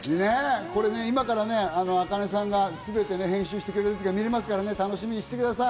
これね今からａｋａｎｅさんが全て編集してくれたやつが見れますから楽しみにしてください